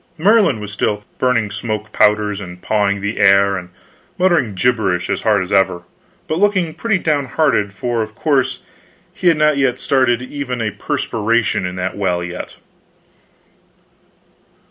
Merlin was still burning smoke powders, and pawing the air, and muttering gibberish as hard as ever, but looking pretty down hearted, for of course he had not started even a perspiration in that well yet.